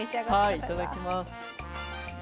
はいいただきます。